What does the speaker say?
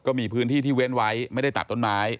ก็มีพื้นที่ที่เว้นไว้ไม่ได้ตัดต้นไม้